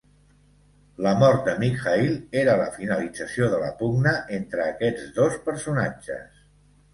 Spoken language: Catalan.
La mort de Mikhaïl era la finalització de la pugna entre aquests dos personatges.